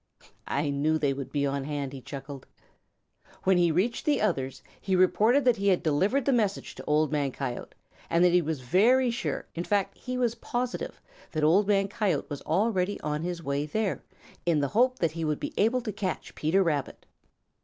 "I knew they would be on hand," he chuckled. When he reached the others, he reported that he had delivered the message to Old Man Coyote, and that he was very sure, in fact he was positive, that Old Man Coyote was already on his way there in the hope that he would be able to catch Peter Rabbit.